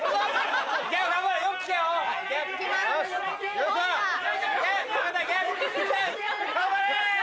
頑張れ！